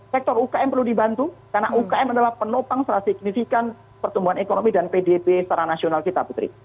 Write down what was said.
sektor ukm perlu dibantu karena ukm adalah penopang secara signifikan pertumbuhan ekonomi dan pdb secara nasional kita putri